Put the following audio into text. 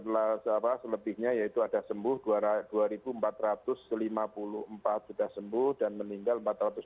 dan setelah selebihnya yaitu ada sembuh dua ribu empat ratus lima puluh empat sudah sembuh dan meninggal empat ratus dua puluh sembilan